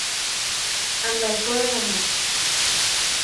Amb el cor a la mà.